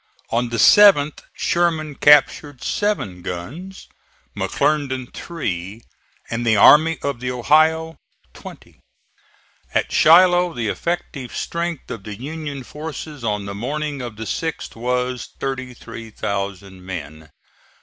On the 7th Sherman captured seven guns, McClernand three and the Army of the Ohio twenty. At Shiloh the effective strength of the Union forces on the morning of the 6th was 33,000 men.